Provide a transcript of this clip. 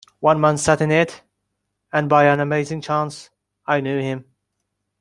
One man sat in it, and by an amazing chance I knew him.